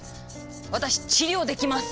私治療できます！